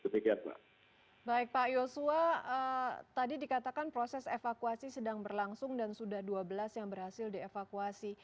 baik pak yosua tadi dikatakan proses evakuasi sedang berlangsung dan sudah dua belas yang berhasil dievakuasi